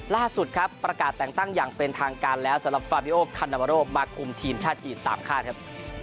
ล่าสุดครับประกาศแต่งตั้งอย่างเป็นทางการแล้วสำหรับฟาบิโอคานาวาโรมาคุมทีมชาติจีนตามคาดครับ